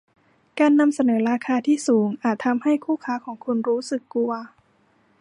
การนำเสนอราคาที่สูงอาจทำให้คู่ค้าของคุณรู้สึกกลัว